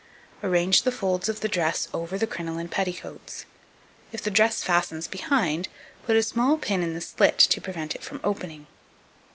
Arrange the folds of the dress over the crinoline petticoats; if the dress fastens behind, put a small pin in the slit to prevent it from opening.